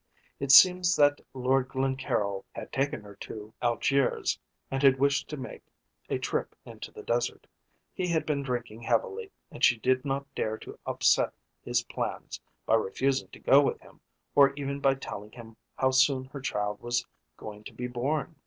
It seems that Lord Glencaryll had taken her to Algiers and had wished to make a trip into the desert. He had been drinking heavily, and she did not dare to upset his plans by refusing to go with him or even by telling him how soon her child was going to be born.